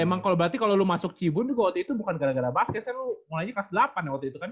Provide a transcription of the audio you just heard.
ya emang kalau berarti lo masuk cibun waktu itu bukan gara gara basket kan lo mulai aja kelas delapan ya waktu itu kan